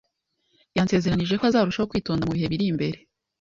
Yansezeranije ko azarushaho kwitonda mu bihe biri imbere.